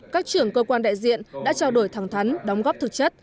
các trưởng cơ quan đại diện đã trao đổi thẳng thắn đóng góp thực chất